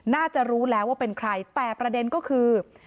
น่าจะรู้แล้วว่าเป็นใครแต่ประเด็นก็คือ